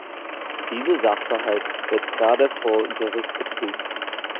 Dieser Sachverhalt wird gerade vor Gericht geprüft.